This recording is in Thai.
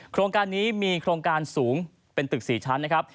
โครงการนี้มีโครงการสูงเป็นตึก๔ชั้นนะครับ